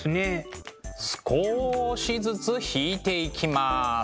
少しずつ引いていきます。